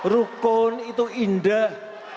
rukun itu indah